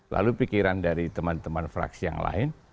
lalu pikiran dari teman teman fraksi yang lain